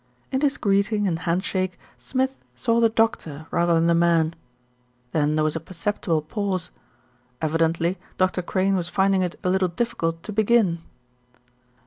In his greeting and handshake, Smith saw the doctor rather than the man. Then there was a perceptible pause. Evidently Dr. Crane was finding it a little diffi cult to begin.